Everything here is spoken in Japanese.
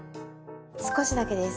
少しだけです。